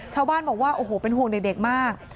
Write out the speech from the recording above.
ชาวบ้านบอกว่าโอ้โหเป็นห่วงเด็กมาก